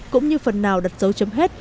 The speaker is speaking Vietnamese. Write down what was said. cũng như phần nào đặt dấu chấm hết